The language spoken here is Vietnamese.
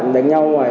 đảng thông tin